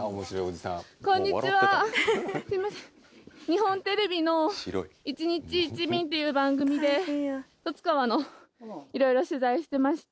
日本テレビの『１日１便』っていう番組で十津川のいろいろ取材してまして。